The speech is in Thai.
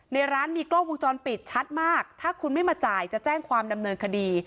ในร้านมีกล้องวงจรปิดชัดมากถ้าคุณไม่มาจ่ายจะแจ้งความดำเนินคดี